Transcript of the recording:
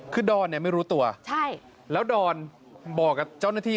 คือดอนเนี่ยไม่รู้ตัวแล้วดอนบอกกับเจ้าหน้าที่